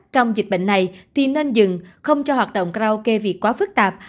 trong dịch bệnh này thì nên dừng không cho hoạt động karaoke việc quá phức tạp